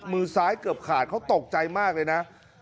มือซ้ายเกือบขาดเขาตกใจมากเลยนะ